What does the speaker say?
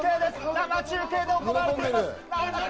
生中継で行われております。